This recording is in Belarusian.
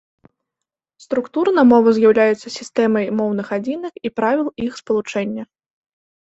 Структурна мова з'яўляецца сістэмай моўных адзінак і правіл іх спалучэння.